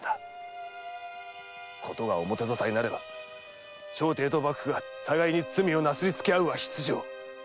ことが表沙汰になれば朝廷と幕府が互いに罪をなすりつけ合うは必定。